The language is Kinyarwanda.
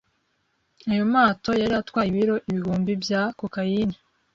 Aya mato yari atwaye ibiro ibihumbi bya kokayine,